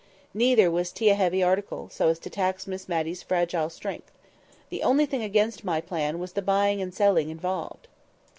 Neither was tea a heavy article, so as to tax Miss Matty's fragile strength. The only thing against my plan was the buying and selling involved.